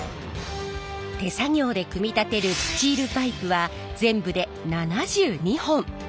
手作業で組み立てるスチールパイプは全部で７２本！